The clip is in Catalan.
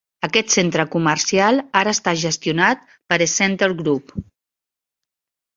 Aquest centre comercial ara està gestionat per Scentre Group.